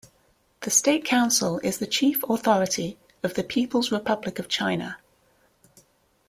The State Council is the chief authority of the People's Republic of China.